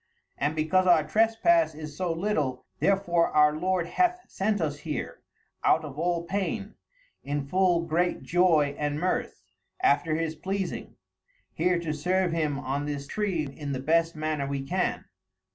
And because our trespasse is so little, therefore our Lord hath sent us here, out of all paine, in full great joy and mirthe, after his pleasing, here to serve him on this tree in the best manner we can.